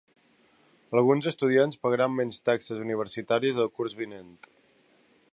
Alguns estudiants pagaran menys taxes universitàries el curs vinent